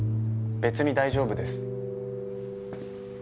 別に大丈夫です。